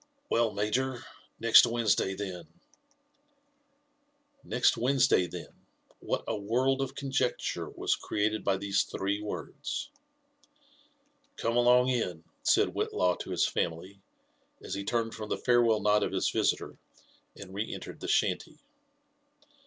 " WeM, Major, next Wednesday then '* 20 LIFE AND ADVENTUHES OF " Next Wednesday Iben ?" what a world of conjecture was created by these three words !'' Come along in," said Whillaw to his family, as he turned from the farewell nod of his visiter and re entered the shanty.